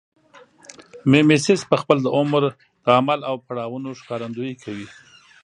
میمیسیس پخپله د عمل او پړاوونو ښکارندویي کوي